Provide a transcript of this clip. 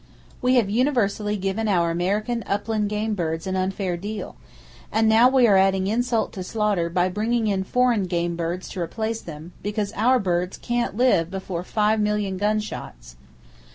We have universally given our American upland game birds an unfair deal, and now we are adding insult to slaughter by bringing in foreign game birds to replace them—because our birds "can't live" before five million shot guns!